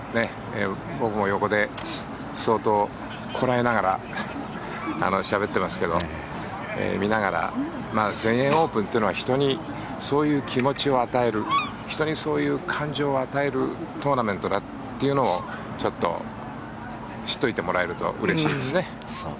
僕も横で相当、こらえながらしゃべってますけど見ながら全英オープンというのは人にそういう気持ちを与える人にそういう感情を与えるトーナメントだというのをちょっと知っておいてもらえるとうれしいですね。